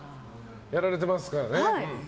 やられてますからね。